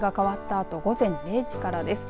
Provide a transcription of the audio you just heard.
あと午前０時からです。